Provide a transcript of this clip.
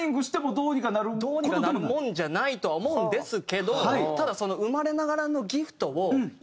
どうにかなるもんじゃないとは思うんですけどただその生まれながらのギフトを。